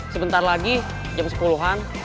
sebentar lagi jam sepuluh an